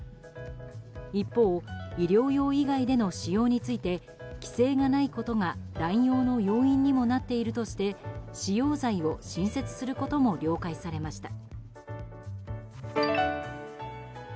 一方、医療用以外での使用について規制がないことが乱用の要因にもなっているとして使用罪を新設することも了解されました。